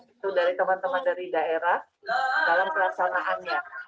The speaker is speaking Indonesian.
itu dari teman teman dari daerah dalam pelaksanaannya